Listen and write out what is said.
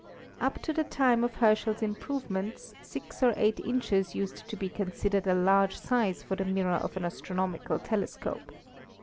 Up to the time of Herschel's improvements, six or eight inches used to be considered a large size for the mirror of an astronomical telescope.